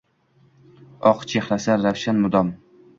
Oq chehrasi ravshan mudom.